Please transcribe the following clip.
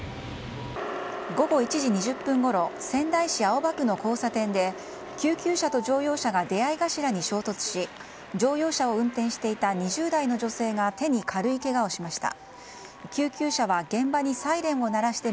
午後１時２０分ごろ仙台市青葉区の交差点で救急車と乗用車が出合い頭に衝突し乗用車を運転していた２０代の女性が手に軽いけがをしました。